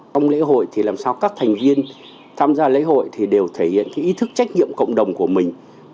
trong lễ hội thì làm sao các thành viên tham gia lễ hội thì đều thể hiện ý thức trách nhiệm cộng đồng của mình